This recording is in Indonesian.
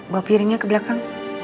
bawa piringnya ke belakang